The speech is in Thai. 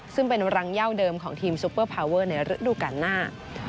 ซึ่งเป็นรังเย่าเดิมของทีมซูเปอร์พาวเวอร์ในฤดูการหน้า